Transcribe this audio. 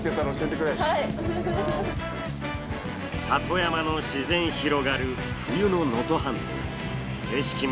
里山の自然広がる冬の能登半島。